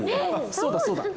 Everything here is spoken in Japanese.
そうだそうだ！